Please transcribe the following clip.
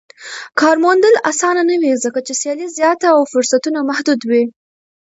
کار موندل اسانه نه وي ځکه چې سيالي زياته او فرصتونه محدود وي.